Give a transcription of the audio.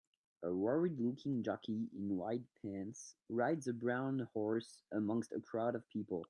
A worried looking jockey in white pants rides a brown horse amongst a crowd of people